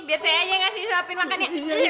biar saya aja yang kasih disuapin makan